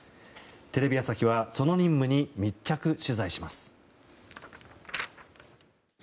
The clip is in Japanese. テレビ朝日は、その任務に密着取材します。